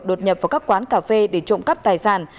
đột nhập vào các quán cà phê để trộm cắp tài sản